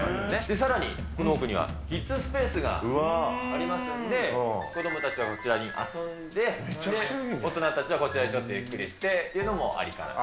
さらにこの奥にはキッズスペースがありますんで、子どもたちはそちらで遊んで、で、大人たちはこちらでちょっとゆっくりしてっていうのもありかなと。